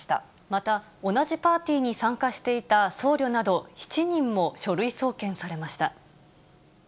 また、同じパーティーに参加していた僧侶など７人も、書類送検されました。